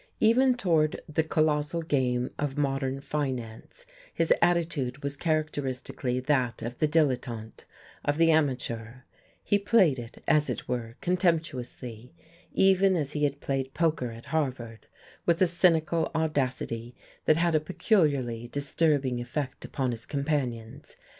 Even toward the colossal game of modern finance his attitude was characteristically that of the dilettante, of the amateur; he played it, as it were, contemptuously, even as he had played poker at Harvard, with a cynical audacity that had a peculiarly disturbing effect upon his companions.